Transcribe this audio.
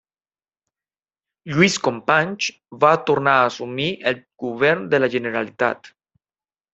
Lluís Companys va tornar a assumir el govern de la Generalitat.